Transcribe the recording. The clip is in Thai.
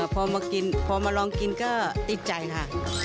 พอมาลองกินก็ติดใจค่ะ